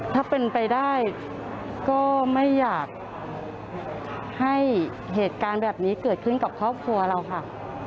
ถ้าเป็นไปได้ก็ไม่อยากให้เหตุการณ์แบบนี้เกิดขึ้นกับครอบครัวเราค่ะ